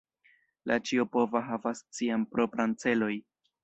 La Ĉiopova havas Sian propran celoj.